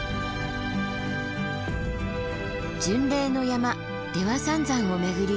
巡礼の山出羽三山を巡り